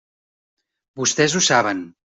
Vostès ho saben.